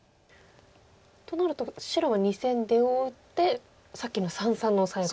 となると白は２線出を打ってさっきの三々のオサエが。